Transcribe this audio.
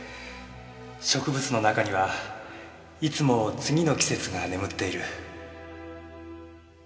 植物の中にはいつも次の季節が眠っている。